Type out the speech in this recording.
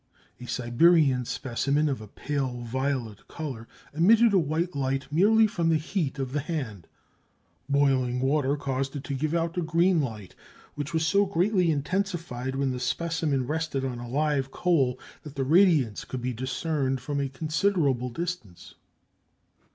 A Siberian specimen of a pale violet color emitted a white light merely from the heat of the hand; boiling water caused it to give out a green light, which was so greatly intensified when the specimen rested on a live coal that the radiance could be discerned from a considerable distance.